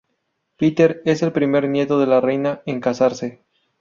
Peter es el primer nieto de la Reina en casarse.